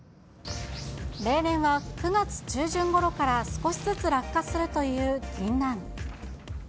例年は９月中旬ごろから少しずつ落果するというギンナン。